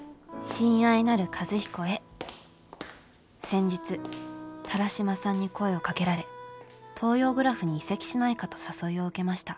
先日田良島さんに声をかけられ東洋グラフに移籍しないかと誘いを受けました」。